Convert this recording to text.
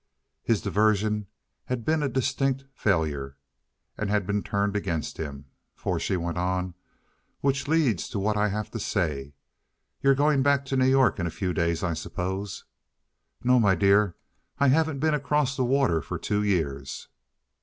His diversion had been a distinct failure, and had been turned against him. For she went on: "Which leads to what I have to say. You're going back to New York in a few days, I suppose?" "No, my dear. I haven't been across the water for two years."